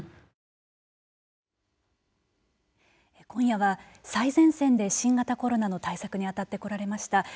今夜は最前線で新型コロナの対策にあたってこられました